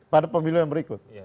pada pemilu yang berikut